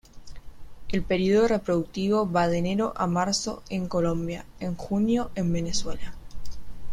El período reproductivo va de enero a marzo en Colombia, en junio en Venezuela.